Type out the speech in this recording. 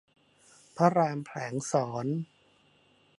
พระรามแผลงศร